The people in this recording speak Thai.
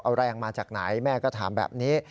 เอาแรงมาจากไหนแม่ก็ถามแบบนี้